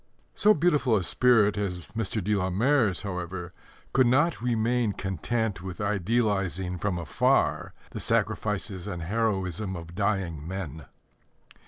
So beautiful a spirit as Mr. de la Mare's, however, could not remain content with idealizing from afar the sacrifices and heroism of dying men.